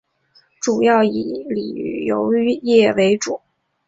主要以旅游业为主。